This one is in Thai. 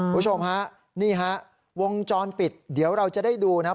คุณผู้ชมฮะนี่ฮะวงจรปิดเดี๋ยวเราจะได้ดูนะ